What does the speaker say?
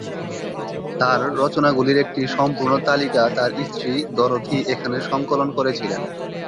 তার রচনাগুলির একটি সম্পূর্ণ তালিকা তার স্ত্রী ডরোথি এখানে সংকলন করেছিলেন।